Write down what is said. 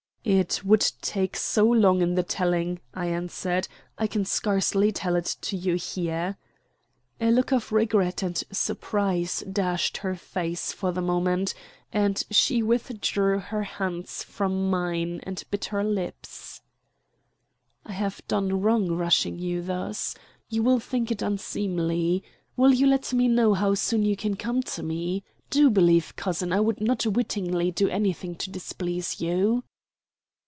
"It would take so long in the telling," I answered. "I can scarcely tell it to you here." A look of regret and surprise dashed her face for the moment, and she withdrew her hands from mine and bit her lips. "I have done wrong in rushing to you thus. You will think it unseemly. Will you let me know how soon you can come to me? Do believe, cousin, I would not wittingly do anything to displease you."